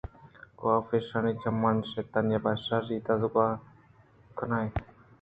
کاف ایشانی چمانی شیطانی ءَ پہ شرّی درگوٛز کنان اَت